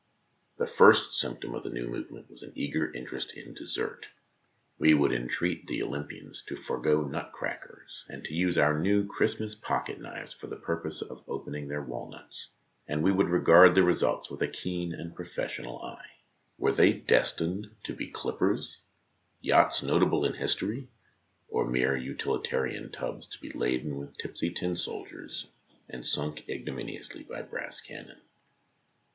The first symptom of the new movement was an eager interest in dessert. We would entreat 4 33 34 THE DAY BEFORE YESTERDAY the Olympians to forego nut crackers and to use our new Christmas pocket knives for the purpose of opening their walnuts, and we would regard the results with a keen and professional eye. Were they destined to be clippers, yachts notable in history, or mere utilitarian tubs to be laden with tipsy tin soldiers and sunk ignominiously by brass cannon?